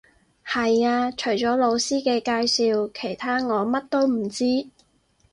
係呀，除咗老師嘅介紹，其他我乜都唔知